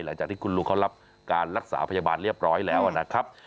หลังจากที่คุณลุงเขารับการรักษาพยาบาลเรียบร้อยแล้วนะครับ